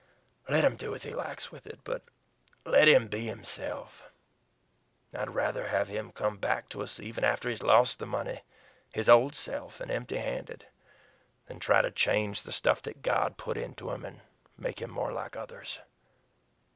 Let him do as he likes with it but let him be himself. I'd rather have him come back to us even after he's lost the money his old self and empty handed than try to change the stuff God put into him and make him more like others."